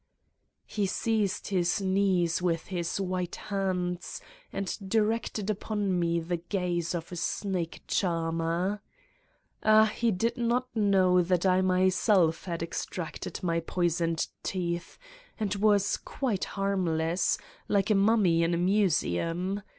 He seized his knees with his white hands and directed upon me the gaze of a snake charmer. ... Ah, he did not know that I myself had extracted my poisoned teeth and was quite harmless, like a mummy in a museum!